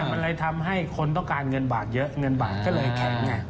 มันเลยทำให้คนต้องการเงินบาทเยอะเงินบาทก็เลยแข็งไง